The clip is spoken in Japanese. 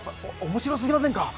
面白すぎませんか？